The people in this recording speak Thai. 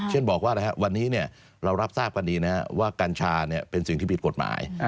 เช่นบอกว่าวันนี้เรารับทราบกันดีนะครับว่ากัญชาเป็นสิ่งที่ผิดกฎหมาย